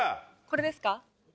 これですか？